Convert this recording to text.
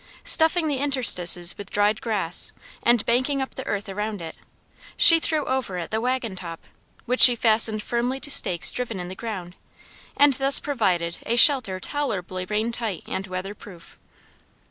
Stuffing the interstices with dried grass, and banking up the earth around it, she threw over it the wagon top, which she fastened firmly to stakes driven in the ground, and thus provided a shelter tolerably rain tight and weather proof.